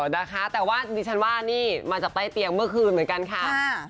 นะคะแต่ว่าดิฉันว่านี่มาจากใต้เตียงเมื่อคืนเหมือนกันค่ะ